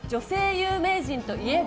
有名人といえば？